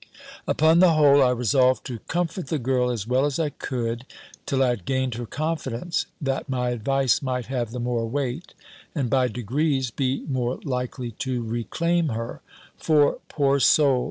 Upon the whole, I resolved to comfort the girl as well as I could, till I had gained her confidence, that my advice might have the more weight, and, by degrees, be more likely to reclaim her: for, poor soul!